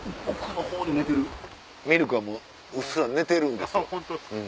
ミルクはもううっすら寝てるんです。